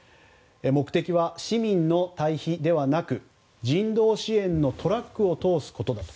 目的は市民の退避ではなく人道支援のトラックを通すことだと。